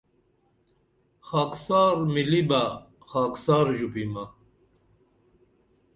خاکسار مِلی بہ خاکسار ژوپیمہ